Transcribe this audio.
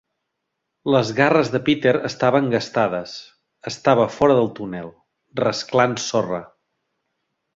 Les garres de Peter estaven gastades; estava fora del túnel, rasclant sorra.